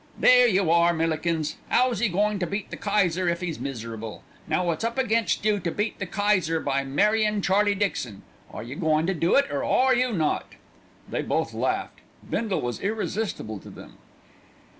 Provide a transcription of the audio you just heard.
"There you are, Millikins. 'Ow's 'e goin' to beat the Kayser if 'e's miserable? Now it's up against you to beat the Kayser by marryin' Charlie Dixon. Are you goin' to do it, or are you not?" They both laughed. Bindle was irresistible to them.